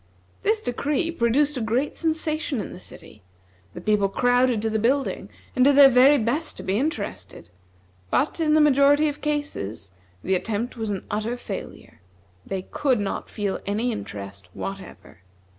This decree produced a great sensation in the city. The people crowded to the building, and did their very best to be interested; but, in the majority of cases, the attempt was an utter failure. They could not feel any interest whatever.